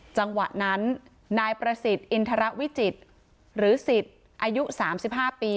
จังหวะนั้นนายประศิษฐ์อินทรวิจิตรหรือศิษฐ์อายุสามสิบห้าปี